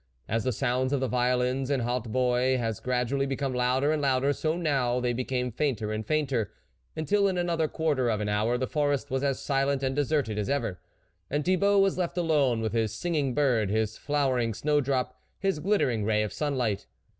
As the sounds of the violins and hautboy has gradually become louder and louder, so now they became fainter and fainter, until in another quarter of an hour the forest was as silent and deserted as ever, and Thibauit was left alone with his singing bird, his flowering snow drop, his glittering ray of sunlight.